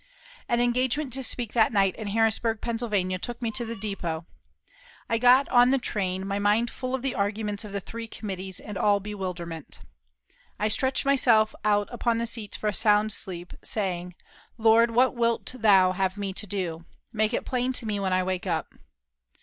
An engagement to speak that night in Harrisburg, Pennsylvania, took me to the depot. I got on the train, my mind full of the arguments of the three committees, and all a bewilderment. I stretched myself out upon the seats for a sound sleep, saying, "Lord, what wilt Thou have me to do? Make it plain to me when I wake up."